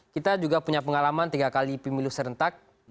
kita juga punya pengalaman tiga kali pemilu serentak